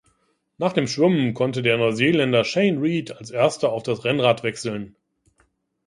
Nach dem Schwimmen konnte der Neuseeländer Shane Reed als Erster auf das Rennrad wechseln.